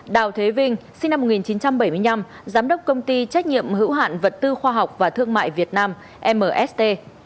đào thế vinh sinh năm một nghìn chín trăm bảy mươi năm giám đốc công ty trách nhiệm hữu hạn vật tư khoa học và thương mại việt nam mst